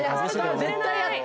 絶対やった！